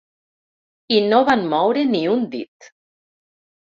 I no van moure ni un dit.